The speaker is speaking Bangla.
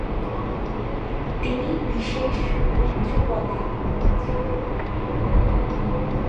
তিনি বিশেষ উচ্চ পদে ছিলেন।